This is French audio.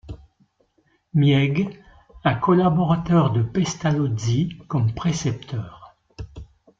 Mieg, un collaborateur de Pestalozzi, comme précepteur.